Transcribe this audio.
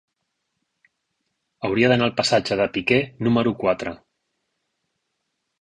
Hauria d'anar al passatge de Piquer número quatre.